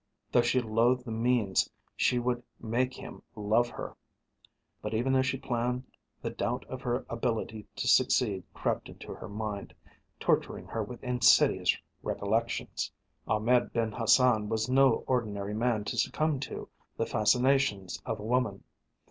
Though she loathed the means she would make him love her. But even as she planned the doubt of her ability to succeed crept into her mind, torturing her with insidious recollections. Ahmed Ben Hassan was no ordinary man to succumb to the fascinations of a woman.